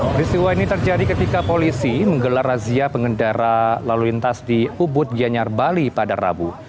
peristiwa ini terjadi ketika polisi menggelar razia pengendara lalu lintas di ubud gianyar bali pada rabu